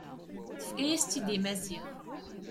Tefka-yas-tt-id i Maziɣ.